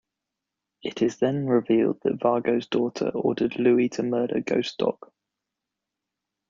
It is then revealed that Vargo's daughter ordered Louie to murder Ghost Dog.